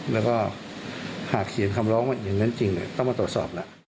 แล้วก็หากเขียนคำร้องอย่างนั้นจริงต้องมาตรวจสอบแล้ว